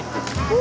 お！